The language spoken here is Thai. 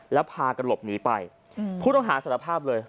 แล้วพากันหลบหนีไปผู้ต้องหาสารภาพเลย